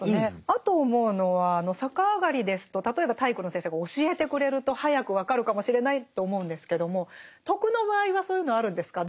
あと思うのは逆上がりですと例えば体育の先生が教えてくれると早く分かるかもしれないと思うんですけども「徳」の場合はそういうのあるんですか？